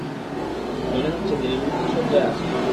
মনে হচ্ছে তিনি মৃত্যু শয্যায় আছেন।